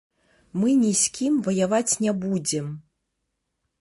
Мы ні з кім ваяваць не будзем.